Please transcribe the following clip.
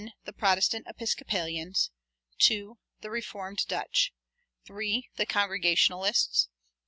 The Protestant Episcopalians; 2. The Reformed Dutch; 3. The Congregationalists; 4.